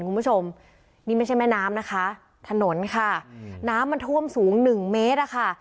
คุณผู้ชมนี่ไม่ใช่แม่น้ำนะคะถนนค่ะน้ำมันท่วมสูงหนึ่งเมตรอะค่ะ